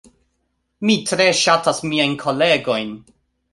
Mi tre ŝatas miajn kolegojn